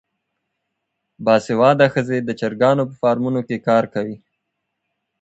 باسواده ښځې د چرګانو په فارمونو کې کار کوي.